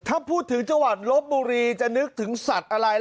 ถ้าพูดถึงจังหวัดลบบุรีจะนึกถึงสัตว์อะไร